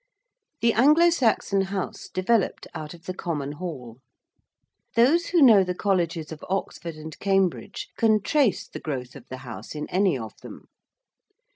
The Anglo Saxon house developed out of the common hall. Those who know the colleges of Oxford and Cambridge can trace the growth of the house in any of them.